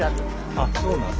あっそうなんだ。